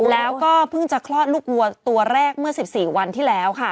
แล้วก็เพิ่งจะคลอดลูกวัวตัวแรกเมื่อ๑๔วันที่แล้วค่ะ